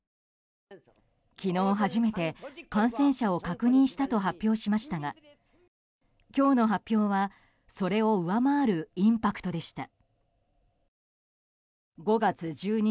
昨日初めて感染者を確認したと発表しましたが今日の発表はそれを上回るインパクトでした。